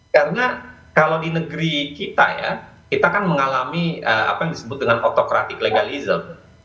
karena kalau di negeri kita ya kita kan mengalami apa yang disebut dengan autokratik legalism